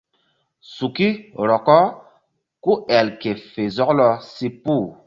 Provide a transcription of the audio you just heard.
Suki rɔkɔ ku el ke fe zɔklɔ si puh.